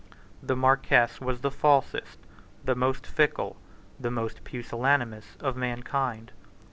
The Marquess was the falsest, the most fickle, the most pusillanimous, of mankind.